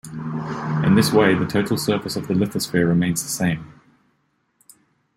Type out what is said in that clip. In this way, the total surface of the lithosphere remains the same.